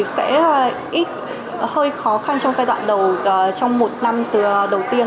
sẽ ít khó khăn trong giai đoạn đầu trong một năm đầu tiên